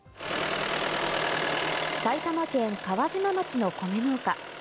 埼玉県川島町の米農家。